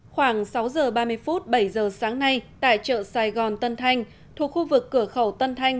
khoảng sáu giờ ba mươi phút bảy giờ sáng nay tại chợ sài gòn tân thanh thuộc khu vực cửa khẩu tân thanh